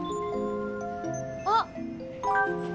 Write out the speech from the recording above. あっ！